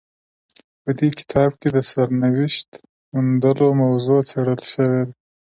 په دې کتاب کې د سرنوشت موندلو موضوع څیړل شوې ده.